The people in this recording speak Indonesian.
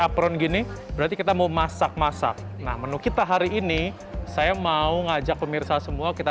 apron gini berarti kita mau masak masak nah menu kita hari ini saya mau ngajak pemirsa semua kita